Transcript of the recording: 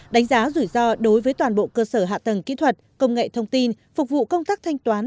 đánh giá rủi ro đối với toàn bộ cơ sở hạ tầng kỹ thuật công nghệ thông tin phục vụ công tác thanh toán